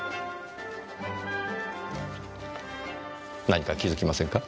何か気づきませんか？